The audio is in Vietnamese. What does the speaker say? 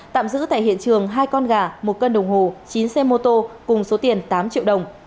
tạm giữ tại hiện trường hai con gà một cân đồng hồ chín xe mô tô cùng số tiền tám triệu đồng